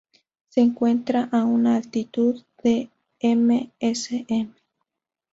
Se encuentra a una altitud de m.s.m.